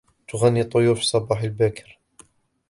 تغني الطيور في الصباح الباكر.